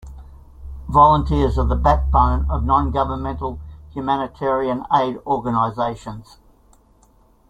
Volunteers are the backbone of non-governmental humanitarian aid organizations.